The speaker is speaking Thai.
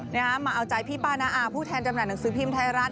นะฮะมาเอาใจพี่ป้านาอาผู้แทนจำหน่าหนังสือพิมพ์ไทยรัฐ